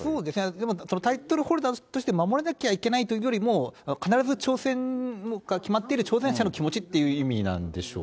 でもタイトルホルダーとして守らなきゃいけないというよりも、必ず挑戦が決まっている挑戦者の気持ちっていう意味なんでしょう